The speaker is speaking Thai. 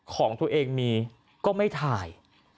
ของตัวเองมีก็ไม่ถ่าย